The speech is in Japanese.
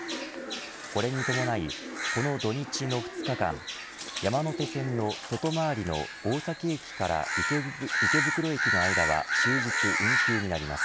これに伴い、この土日の２日間山手線の外回りの大崎駅から池袋駅の間は終日運休になります。